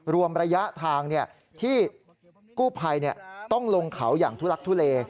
รวมระยะทางที่กู้ภัยต้องลงเขาอย่างทุลักทุเล